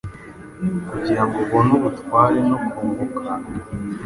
Kugirango ubone ubutware nokunguka